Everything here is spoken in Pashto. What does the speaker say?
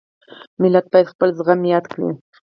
ملت باید خپل زخم یاد کړي.